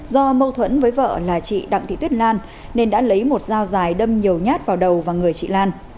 do mâu thuẫn với vợ là chị đặng thị tuyết lan nên đã lấy một dao dài đâm nhiều nhát vào đầu và người chị lan